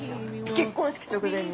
結婚式直前に。